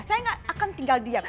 saya nggak akan tinggal diam